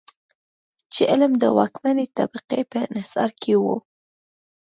چې علم د واکمنې طبقې په انحصار کې و.